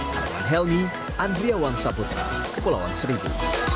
saya wan helmy andriawan sabutra kepulauan seribu